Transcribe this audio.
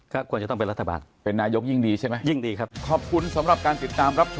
ขอควรจะต้องเป็นรัฐบาล